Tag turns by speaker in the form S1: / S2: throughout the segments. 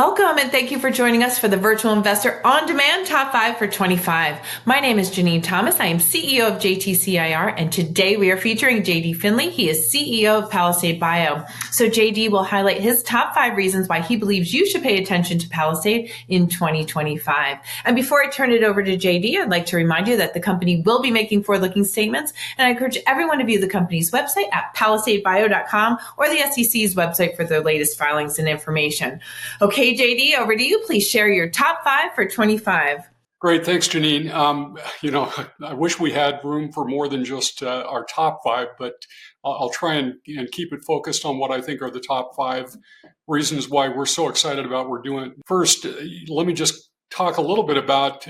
S1: Welcome, and thank you for joining us for the Virtual Investor On Demand Top 5 for '25. My name is Janine Thomas. I am CEO of JTC IR, and today we are featuring JD Finley. He is CEO of Palisade Bio. JD will highlight his top five reasons why he believes you should pay attention to Palisade in 2025. Before I turn it over to JD, I'd like to remind you that the company will be making forward-looking statements, and I encourage everyone to view the company's website at palisadebio.com or the SEC's website for their latest filings and information. Okay, JD, over to you. Please share your Top 5 for '25.
S2: Great. Thanks, Janine. You know, I wish we had room for more than just our top five, but I'll try and keep it focused on what I think are the top five reasons why we're so excited about what we're doing. First, let me just talk a little bit about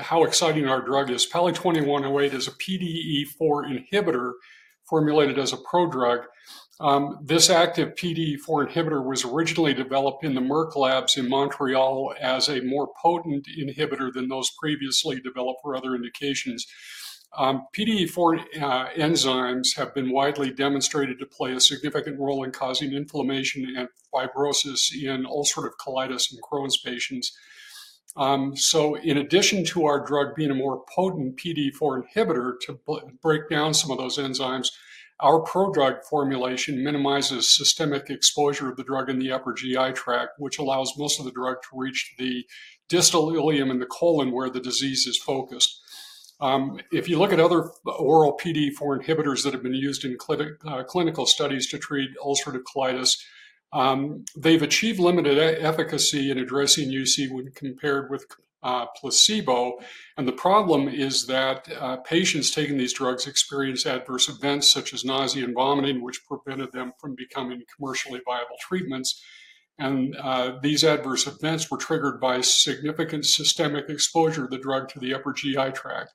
S2: how exciting our drug is. PALI-2108 is a PDE4 inhibitor formulated as a prodrug. This active PDE4 inhibitor was originally developed in the Merck labs in Montreal as a more potent inhibitor than those previously developed for other indications. PDE4 enzymes have been widely demonstrated to play a significant role in causing inflammation and fibrosis in ulcerative colitis and Crohn's patients. In addition to our drug being a more potent PDE4 inhibitor to break down some of those enzymes, our prodrug formulation minimizes systemic exposure of the drug in the upper GI tract, which allows most of the drug to reach the distal ileum in the colon where the disease is focused. If you look at other oral PDE4 inhibitors that have been used in clinical studies to treat ulcerative colitis, they've achieved limited efficacy in addressing UC when compared with placebo. The problem is that patients taking these drugs experience adverse events such as nausea and vomiting, which prevented them from becoming commercially viable treatments. These adverse events were triggered by significant systemic exposure of the drug to the upper GI tract.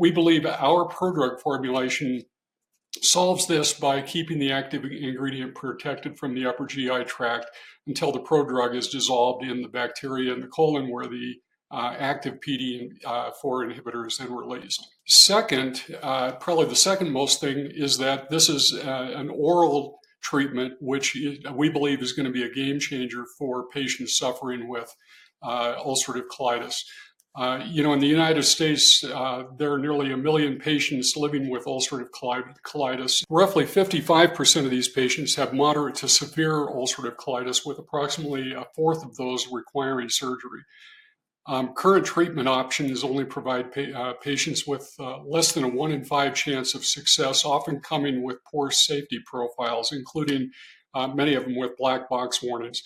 S2: We believe our prodrug formulation solves this by keeping the active ingredient protected from the upper GI tract until the prodrug is dissolved in the bacteria in the colon where the active PDE4 inhibitor is then released. Second, probably the second most thing is that this is an oral treatment, which we believe is going to be a game changer for patients suffering with ulcerative colitis. You know, in the United States, there are nearly a million patients living with ulcerative colitis. Roughly 55% of these patients have moderate to severe ulcerative colitis, with approximately a fourth of those requiring surgery. Current treatment options only provide patients with less than a one in five chance of success, often coming with poor safety profiles, including many of them with black box warnings.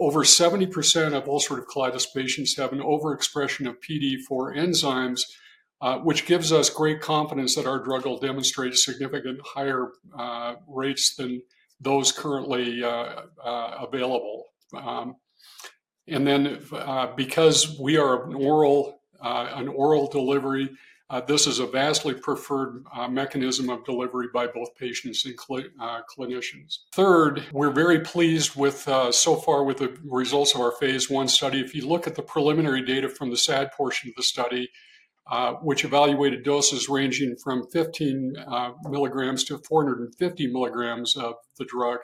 S2: Over 70% of ulcerative colitis patients have an overexpression of PDE4 enzymes, which gives us great confidence that our drug will demonstrate significantly higher rates than those currently available. Because we are an oral delivery, this is a vastly preferred mechanism of delivery by both patients and clinicians. Third, we're very pleased so far with the results of our Phase I study. If you look at the preliminary data from the SAD portion of the study, which evaluated doses ranging from 15 milligrams-450 milligrams of the drug,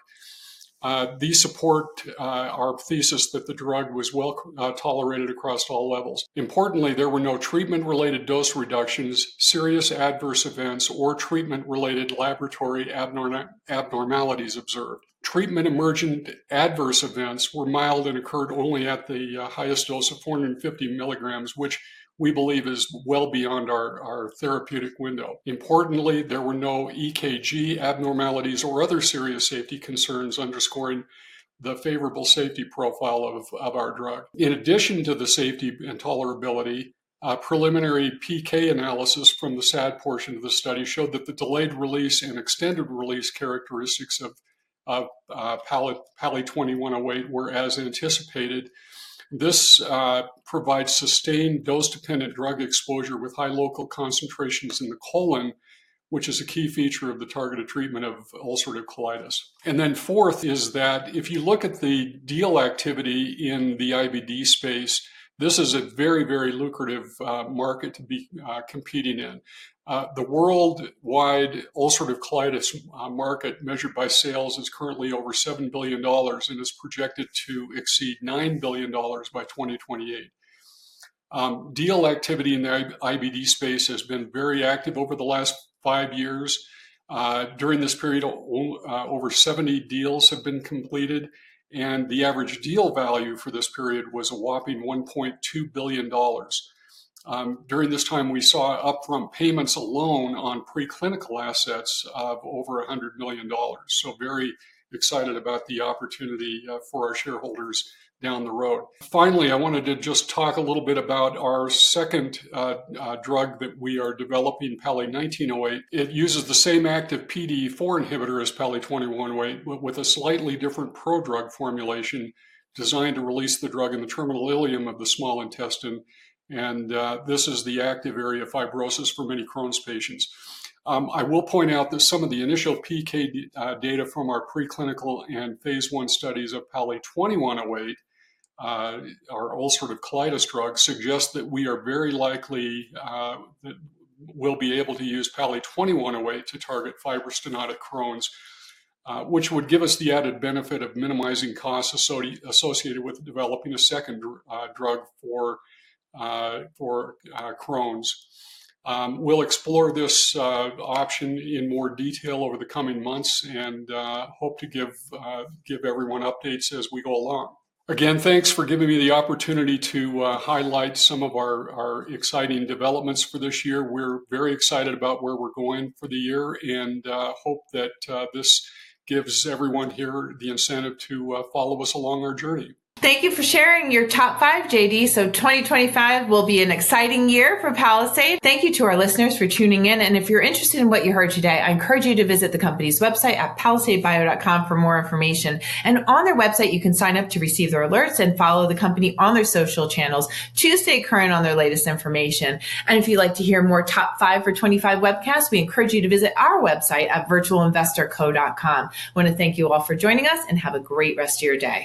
S2: these support our thesis that the drug was well tolerated across all levels. Importantly, there were no treatment-related dose reductions, serious adverse events, or treatment-related laboratory abnormalities observed. Treatment-emergent adverse events were mild and occurred only at the highest dose of 450 milligrams, which we believe is well beyond our therapeutic window. Importantly, there were no EKG abnormalities or other serious safety concerns underscoring the favorable safety profile of our drug. In addition to the safety and tolerability, preliminary PK analysis from the SAD portion of the study showed that the delayed release and extended release characteristics of PALI-2108 were as anticipated. This provides sustained dose-dependent drug exposure with high local concentrations in the colon, which is a key feature of the targeted treatment of ulcerative colitis. Fourth is that if you look at the deal activity in the IBD space, this is a very, very lucrative market to be competing in. The worldwide ulcerative colitis market measured by sales is currently over $7 billion and is projected to exceed $9 billion by 2028. Deal activity in the IBD space has been very active over the last five years. During this period, over 70 deals have been completed, and the average deal value for this period was a whopping $1.2 billion. During this time, we saw upfront payments alone on preclinical assets of over $100 million. Very excited about the opportunity for our shareholders down the road. Finally, I wanted to just talk a little bit about our second drug that we are developing, PALI-1908. It uses the same active PDE4 inhibitor as PALI-2108, but with a slightly different prodrug formulation designed to release the drug in the terminal ileum of the small intestine. This is the active area of fibrosis for many Crohn's patients. I will point out that some of the initial PK data from our preclinical and Phase I studies of PALI-2108, our ulcerative colitis drug, suggest that we are very likely that we'll be able to use PALI-2108 to target fibrostenotic Crohn's, which would give us the added benefit of minimizing costs associated with developing a second drug for Crohn's. We'll explore this option in more detail over the coming months and hope to give everyone updates as we go along. Again, thanks for giving me the opportunity to highlight some of our exciting developments for this year. We're very excited about where we're going for the year and hope that this gives everyone here the incentive to follow us along our journey.
S1: Thank you for sharing your top five, JD. So 2025 will be an exciting year for Palisade. Thank you to our listeners for tuning in. If you're interested in what you heard today, I encourage you to visit the company's website at palisadebio.com for more information. On their website, you can sign up to receive their alerts and follow the company on their social channels. Choose to stay current on their latest information. If you'd like to hear more Top 5 for '25 webcasts, we encourage you to visit our website at virtualinvestorco.com. I want to thank you all for joining us and have a great rest of your day.